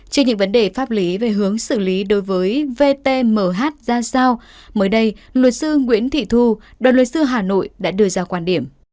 trên những vấn đề pháp lý về hướng xử lý đối với vtmh ra sao mới đây luật sư nguyễn thị thu đoàn luật sư hà nội đã đưa ra quan điểm